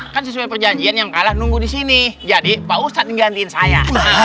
kan sesuai perjanjian yang kalah nunggu di sini jadi pak ustadz gantiin saya